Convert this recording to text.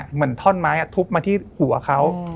เหมือนท่อนไม้ทุบมาที่หัวเขา